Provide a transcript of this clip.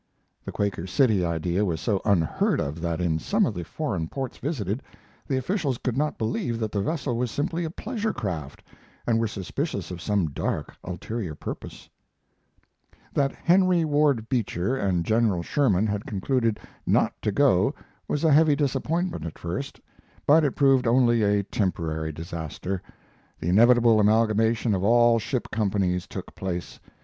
[The Quaker City idea was so unheard of that in some of the foreign ports visited, the officials could not believe that the vessel was simply a pleasure craft, and were suspicious of some dark, ulterior purpose.] That Henry Ward Beecher and General Sherman had concluded not to go was a heavy disappointment at first; but it proved only a temporary disaster. The inevitable amalgamation of all ship companies took place.